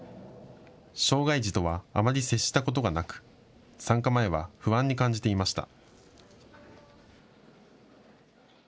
障害児とはあまり接したことがなく参加前は不安に感じていました。